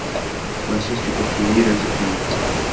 Masih cukup sunyi dan sepi.